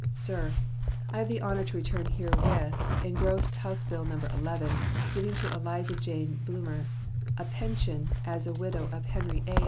SIR: I have the honor to return herewith engrossed House bill No. 11, giving to Eliza Jane Blumer a pension as a widow of Henry A.